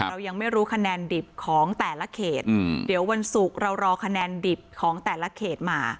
เรายังไม่รู้คะแนนดิบของแต่ละเขตเดี๋ยววันศุกร์เรารอคะแนนดิบของแต่ละเขตมา